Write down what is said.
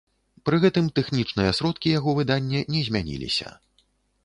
Пры гэтым тэхнічныя сродкі яго выдання не змяніліся.